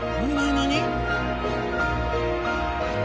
何？